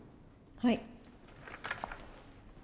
はい。